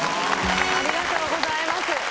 ありがとうございます。